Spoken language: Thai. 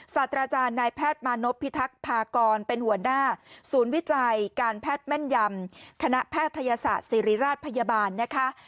ศาสตราจารย์นายแพทย์มานพพิทักษ์พากรเป็นหัวหน้าศูนย์วิจัยการแพทย์แม่นยำคณะแพทยศาสตร์ศิริราชพยาบาลนะคะ